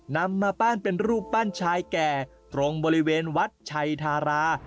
นำมาปั้นเป็นรูปปั้นชายแก่ตรงบริเวณวัดชัยธารา